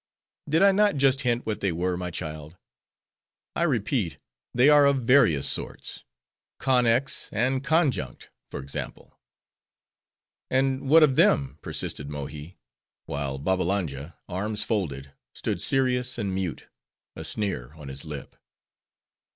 "Did I not just hint what they were, my child? I repeat, they are of various sorts: Connex, and Conjunct, for example." "And what of them?" persisted Mohi; while Babbalanja, arms folded, stood serious and mute; a sneer on his lip.